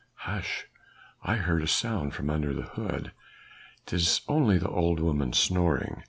"Hush! I heard a sound from under the hood." "'Tis only the old woman snoring."